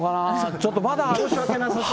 ちょっとまだ申し訳なさそう。